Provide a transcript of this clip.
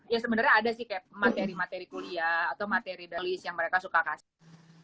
ya sebenarnya ada sih materi materi kuliah atau materi tulis yang mereka suka kasih